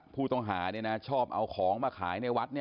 ผู้ต้องหาชอบเอาของมาขายในวัด